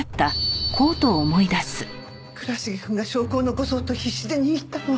倉重くんが証拠を残そうと必死で握ったのは。